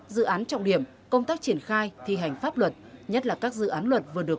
dự án trọng điểm công tác triển khai thi hành pháp luật nhất là các dự án luật vừa được